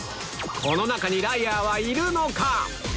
この中にライアーはいるのか？